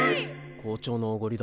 校長のおごりだ。